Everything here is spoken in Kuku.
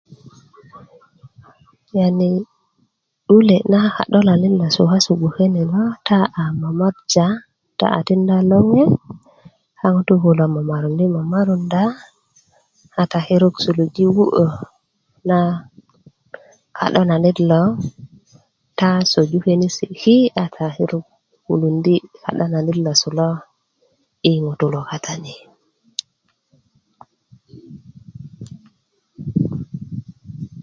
yani wule' na ka'dolanit losu kasu gboke ni lo ta a momorja ta a tinda loŋe a ŋutuu kulo momorundi' momorunda a ta kirut suluji' wu'yö na ka'dolanit lo ta soju kenisi' ki a ta kirut wulundi' ka'dolanit losu lo yi ŋutuu katani